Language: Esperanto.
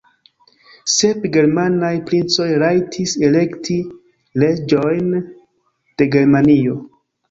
Sep germanaj princoj rajtis elekti reĝojn de Germanio.